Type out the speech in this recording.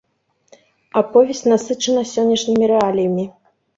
Аповесць насычана сённяшнімі рэаліямі.